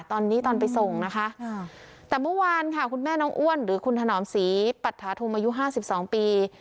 ตอนนี้ตอนไปส่งนะคะแต่เมื่อวานค่ะคุณแม่น้องอ้วนหรือคุณถนอมศรีปัตถาธุมอายุห้าสิบสองปี